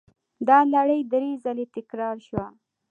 دا لړۍ درې ځله تکرار شوه.